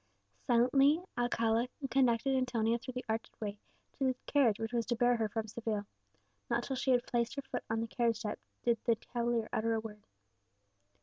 Silently Alcala conducted Antonia through the arched way to the carriage which was to bear her from Seville. Not till she had placed her foot on the carriage step did the cavalier utter a word.